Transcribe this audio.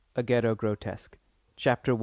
_ A GHETTO GROTESQUE. CHAPTER I.